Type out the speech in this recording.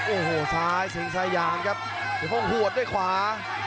โอ้โหซ้ายสิงสยามครับสีห้องหัวด้วยขวา